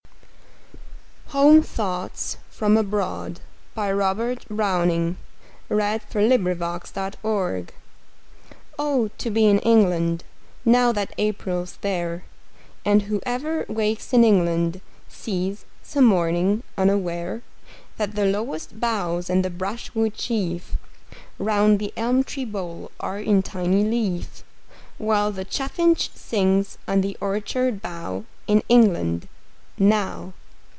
nnsbruck cast in bronze for me! Robert Browning Home Thoughts, From Abroad OH, to be in England Now that April's there, And whoever wakes in England Sees, some morning, unaware, That the lowest boughs and the brush wood sheaf Round the elm tree bole are in tiny leaf, While the chaffinch sings on the orchard bough In England now!